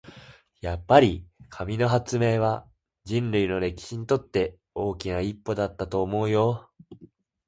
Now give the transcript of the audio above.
やっぱり、紙の発明は人類の歴史にとって大きな一歩だったと思うよ。